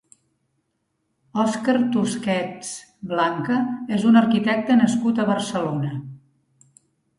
Oscar Tusquets Blanca és un arquitecte nascut a Barcelona.